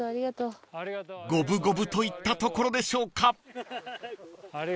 ［五分五分といったところでしょうか］